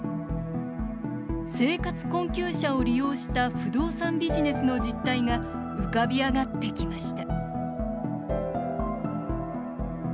生活困窮者を利用した不動産ビジネスの実態が浮かび上がってきました。